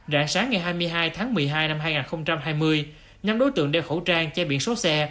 rạng sáng ngày hai mươi hai tháng một mươi hai năm hai nghìn hai mươi nhóm đối tượng đeo khẩu trang che biển số xe